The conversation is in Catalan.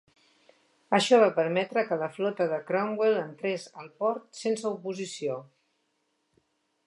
Això va permetre que la flota de Cromwell entrés al port sense oposició.